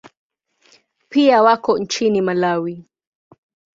Pia wako nchini Malawi.